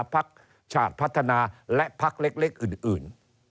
พักชาติพัฒนาและพักเล็กอื่น